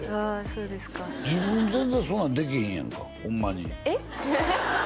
そうですか自分全然そんなんできへんやんかホンマにえっ？